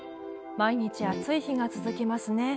毎日暑い日が続きますね。